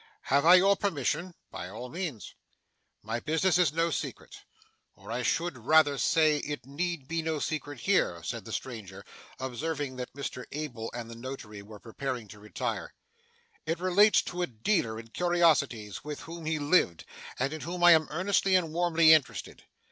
Have I your permission?' 'By all means.' 'My business is no secret; or I should rather say it need be no secret here,' said the stranger, observing that Mr Abel and the Notary were preparing to retire. 'It relates to a dealer in curiosities with whom he lived, and in whom I am earnestly and warmly interested.